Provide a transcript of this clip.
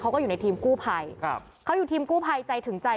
เขาก็อยู่ในทีมกู้ภัยครับเขาอยู่ทีมกู้ภัยใจถึงใจ